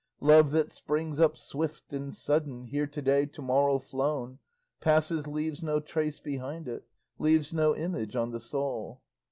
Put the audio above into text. Love that springs up swift and sudden, Here to day, to morrow flown, Passes, leaves no trace behind it, Leaves no image on the soul.